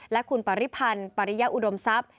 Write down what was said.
และคุณปริพันธ์ปริยอุดมทรัพย์